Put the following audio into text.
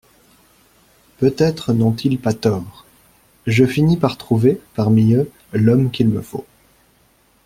Peut-être n'ont-ils pas tort … Je finis par trouver, parmi eux, l'homme qu'il me faut.